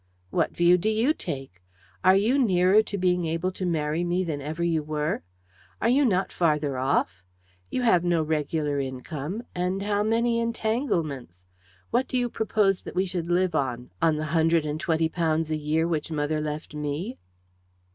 "What view do you take? Are you nearer to being able to marry me than ever you were? Are you not farther off? You have no regular income and how many entanglements? What do you propose that we should live on on the hundred and twenty pounds a year which mother left me?"